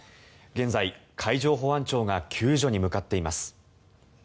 現在、海上保安庁が救助に向かっています。